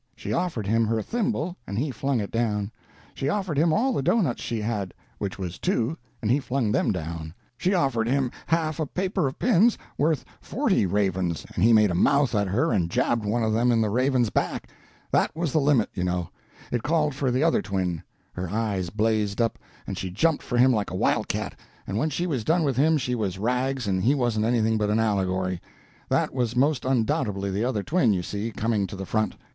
She offered him her thimble, and he flung it down; she offered him all the doughnuts she had, which was two, and he flung them down; she offered him half a paper of pins, worth forty ravens, and he made a mouth at her and jabbed one of them in the raven's back. That was the limit, you know. It called for the other twin. Her eyes blazed up, and she jumped for him like a wild cat, and when she was done with him she was rags and he wasn't anything but an allegory. That was most undoubtedly the other twin, you see, coming to the front.